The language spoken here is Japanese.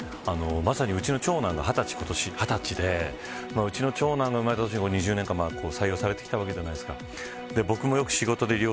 まさにうちの長男が今年２０歳でうちの長男が生まれた年から２０年間採用されてきたわけじゃないですか。